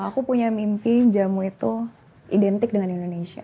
aku punya mimpi jamu itu identik dengan indonesia